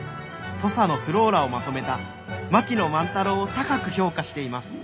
土佐のｆｌｏｒａをまとめた槙野万太郎を高く評価しています」。